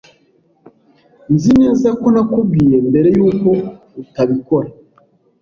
Nzi neza ko nakubwiye mbere yuko utabikora.